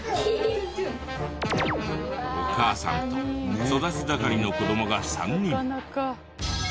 お母さんと育ち盛りの子供が３人。